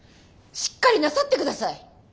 しっかりなさってください！